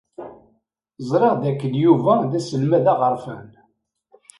Ẓriɣ dakken Yuba d aselmad aɣerfan.